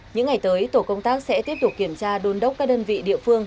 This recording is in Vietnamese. những ngày tới tổ công tác sẽ tiếp tục kiểm tra đôn đốc các đơn vị địa phương